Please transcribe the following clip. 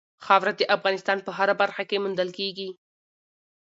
خاوره د افغانستان په هره برخه کې موندل کېږي.